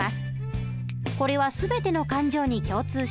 これは全ての勘定に共通しています。